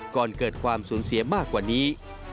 ก่อนเกิดความสูญเสียมากกว่านี้